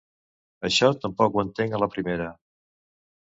Això tampoc ho entenc a la primera.